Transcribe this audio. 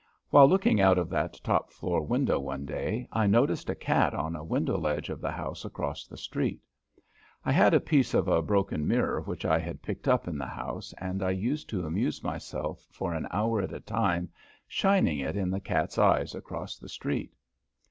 While looking out of that top floor window one day I noticed a cat on a window ledge of the house across the street. I had a piece of a broken mirror which I had picked up in the house and I used to amuse myself for an hour at a time shining it in the cat's eyes across the street.